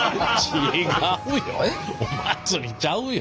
違うよお祭りちゃうよ。